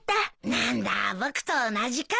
なんだ僕と同じか。